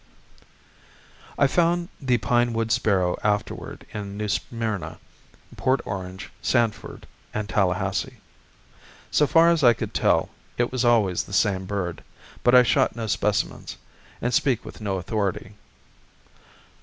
I found the pine wood sparrow afterward in New Smyrna, Port Orange, Sanford, and Tallahassee. So far as I could tell, it was always the same bird; but I shot no specimens, and speak with no authority.